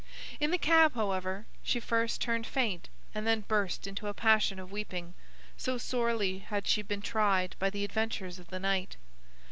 In the cab, however, she first turned faint, and then burst into a passion of weeping,—so sorely had she been tried by the adventures of the night.